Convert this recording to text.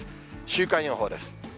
週間予報です。